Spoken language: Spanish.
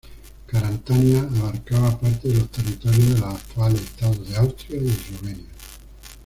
Carantania abarcaba parte de los territorios de los actuales Estados de Austria y Eslovenia.